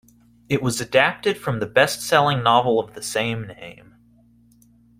It was adapted from the bestselling novel of the same name.